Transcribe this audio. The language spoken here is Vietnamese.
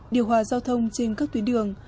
điều hòa giao thông trên các tuyến đường